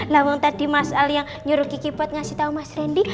namun tadi mas ali yang nyuruh kiki buat ngasih tahu mas randy